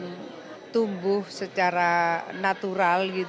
mereka datang mereka menawarkan diri dengan jejaring jejaring